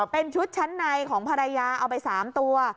เป็นชุดชั้นในของภรรยาเอาไป๓ตัว